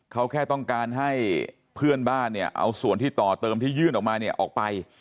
เขาแค่ต้องการให้เพื่อนบ้านเนี่ยเอาส่วนที่ต่อเติมที่ยื่นออกมาเนี่ยออกไป